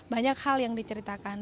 banyak hal yang diceritakan